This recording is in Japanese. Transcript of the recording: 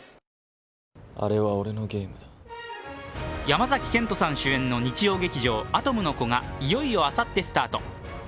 山崎賢人さん主演の日曜劇場「アトムの童」がいよいよあさってスタート。